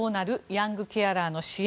ヤングケアラーの支援。